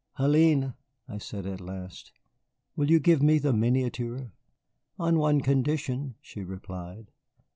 "Hélène," I said at last, "will you give me the miniature?" "On one condition," she replied.